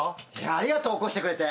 ありがとう起こしてくれて。